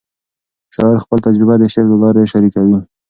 شاعر خپل تجربه د شعر له لارې شریکوي.